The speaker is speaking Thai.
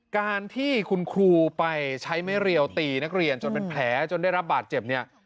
การที่คุณครูไปใช้ไม่เรียวตีนักเรียนจนเป็นแผลจนได้รับบาดเจ็บเนี่ย